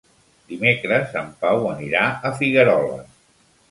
Dimecres en Pau anirà a Figueroles.